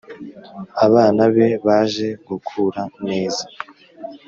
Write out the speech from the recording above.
Abana be baje gukura neza